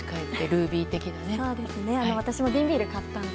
私の瓶ビール買ったので。